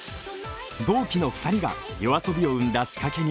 同期の２人がＹＯＡＳＯＢＩを生んだ仕掛け人。